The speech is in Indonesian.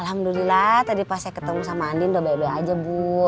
alhamdulillah tadi pas saya ketemu sama andin udah baik baik aja bu